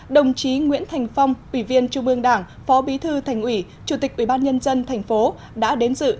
đồng chí nguyễn thành phong ủy viên trung mương đảng phó bí thư thành ủy chủ tịch ủy ban nhân dân tp hcm đã đến dự